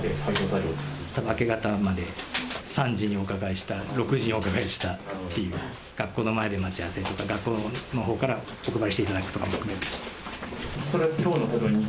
明け方まで、３時にお伺いしたり、６時にお伺いしたり、学校の前で待ち合わせとか、学校のほうからお配りしていただくとかも含め。